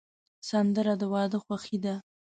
سندره د واده خوښي ده